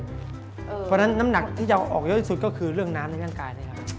เพราะฉะนั้นน้ำหนักที่จะเอาออกเยอะที่สุดก็คือเรื่องน้ำในร่างกายนะครับ